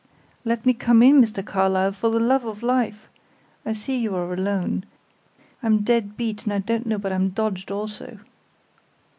"Let me come in, Mr. Carlyle, for the love of life! I see you are alone. I'm dead beat, and I don't know but I'm dodged also."